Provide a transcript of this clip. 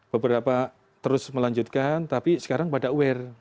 beberapa terus melanjutkan tapi sekarang pada aware